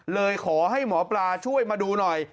เลยขอให้หมอปลาช่วยมาดูหน่อย